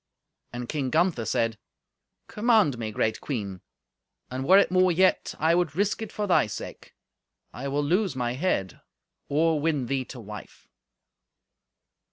And King Gunther said, "Command me, great queen, and were it more yet, I would risk it for thy sake. I will lose my head, or win thee to wife."